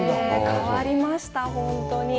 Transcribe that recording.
変わりました、本当に。